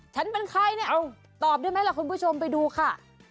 ฉันเป็นใครเนี่ยตอบได้ไหมล่ะคุณผู้ชมไปดูค่ะ